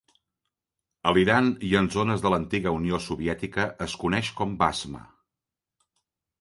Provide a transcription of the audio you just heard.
A l'Iran i en zones de l'antiga Unió Soviètica es coneix com basma.